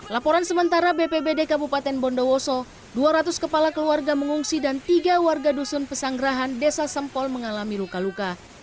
laporan sementara bpbd kabupaten bondowoso dua ratus kepala keluarga mengungsi dan tiga warga dusun pesanggerahan desa sempol mengalami luka luka